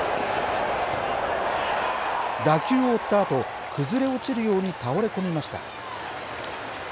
打球を追ったあと、崩れ落ちるように倒れ込みました。